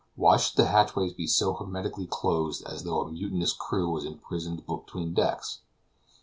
Why should the hatchways be so hermetically closed as though a mutinous crew was imprisoned between decks?